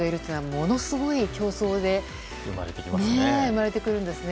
ものすごい競争心が生まれてくるんですね。